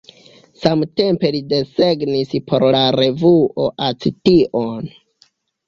Samtempe li desegnis por la revuo "Action".